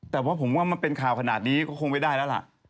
แต่ว่าผมว่ามันเป็นข่าวขนาดนี้ก็คงไม่ได้แล้วล่ะ